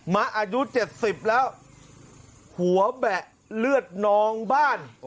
มะอายุ๗๐แล้วหัวแบะเลือดนองบ้าน